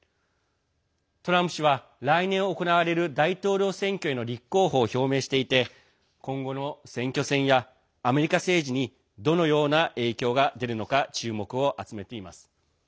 トランプ氏は来年行われる大統領選挙への立候補を表明していて今後の選挙戦や、アメリカ政治にどのような影響が出るのか注目を集めています。